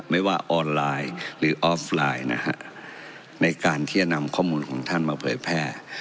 ไม่ว่าออนไลน์หรือออฟไลน์นะฮะในการที่จะนำข้อมูลของท่านมาเผยแพร่